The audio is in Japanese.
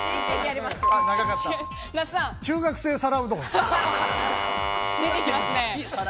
中学生皿うどん。